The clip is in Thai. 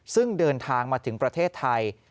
ซึ่งเดินทางมาถึงประเทศไทย